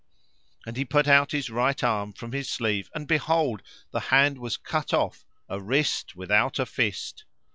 And he put out his right arm from his sleeve and behold, the hand was cut off, a wrist without a fist.